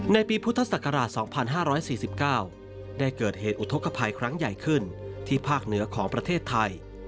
ในปีพุทธศักราช๒๕๔๙ได้เกิดเหตุอุทธกภัยครั้งใหญ่ขึ้นที่ภาคเหนือของประเทศไทย